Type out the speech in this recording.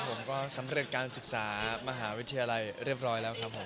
ผมก็สำเร็จการศึกษามหาวิทยาลัยเรียบร้อยแล้วครับผม